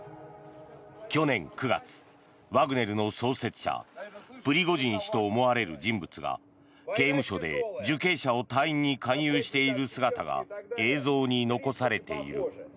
去年９月、ワグネルの創設者プリゴジン氏と思われる人物が刑務所で受刑者を隊員に勧誘している姿が映像に残されている。